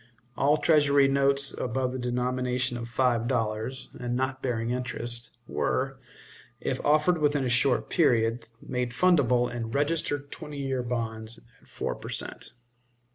All Treasury notes above the denomination of five dollars, and not bearing interest, were, if offered within a short period, made fundable in registered twenty years bonds at four per cent.